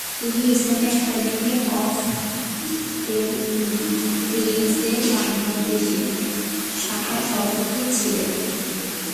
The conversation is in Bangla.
তিনি ইসলামিক একাডেমি অফ কেমব্রিজের বাংলাদেশী শাখার সভাপতি ছিলেন।